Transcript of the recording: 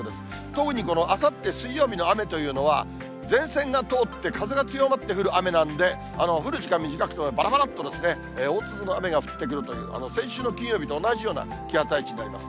特にこのあさって水曜日の雨というのは、前線が通って、風が強まって降る雨なんで、降る時間短くても、ばらばらっと大粒の雨が降ってくるという、先週の金曜日と同じような気圧配置になります。